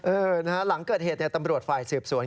หลังเกิดเหตุตำรวจฝ่ายสืบสวน